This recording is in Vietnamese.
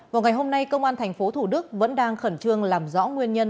vào ngày hôm nay công an thành phố thủ đức vẫn đang khẩn trương làm rõ nguyên nhân